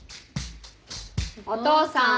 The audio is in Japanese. お父さん。